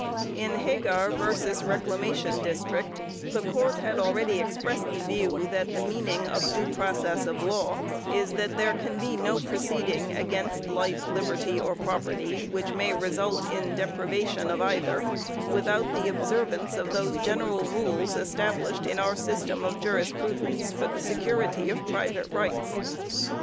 In Hagar v. Reclamation Dist. 1 the Court had already expressed the view that the meaning of "due process of law " is that " there can be no proceeding against life, liberty, or property which may result in depriva tion of either, without the observance of those general rules established in our system of jurisprudence for the security of private rights